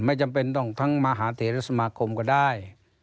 จำเป็นต้องทั้งมหาเทศสมาคมก็ได้